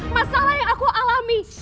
masalah yang aku alami